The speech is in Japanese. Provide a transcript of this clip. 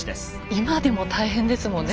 今でも大変ですもんね